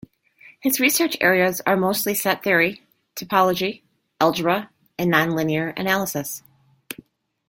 His research areas are mostly set theory, topology, algebra and nonlinear analysis.